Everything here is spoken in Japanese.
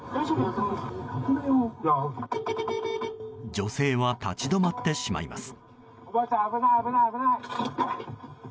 女性は立ち止まってしまいます。